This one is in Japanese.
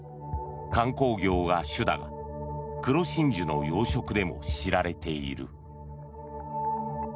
観光業が主だが黒真珠の養殖でも知られている。